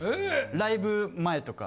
ライブ前とか。